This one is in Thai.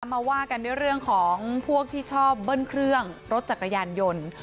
มาว่ากันด้วยเรื่องของพวกที่ชอบเบิ้ลเครื่องรถจักรยานยนต์